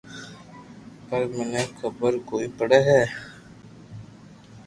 پر مني خبر ڪوئي پڙي ھي